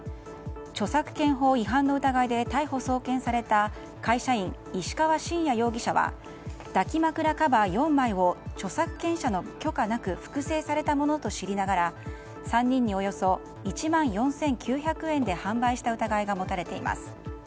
著作権法違反の疑いで逮捕・送検された会社員・石川慎也容疑者は抱き枕カバー４枚を著作権者の許可なく複製されたものと知りながら３人に、およそ１万４９００円で販売した疑いが持たれています。